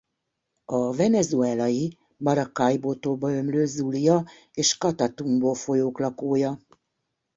A venezuelai Maracaibo-tóba ömlő Zulia- és Catatumbo-folyók lakója.